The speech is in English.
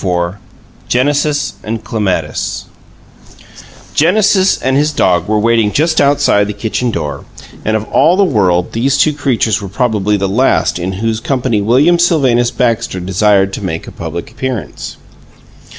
IV GENESIS AND CLEMATIS Genesis and his dog were waiting just outside the kitchen door, and of all the world these two creatures were probably the last in whose company William Sylvanus Baxter desired to make a public appearance.